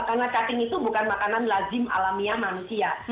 karena cacing itu bukan makanan lazim alamiah manusia